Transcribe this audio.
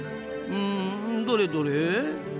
うんどれどれ？